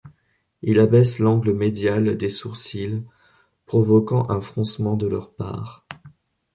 Il abaisse l'angle médial des sourcils provoquant un froncement de leur part.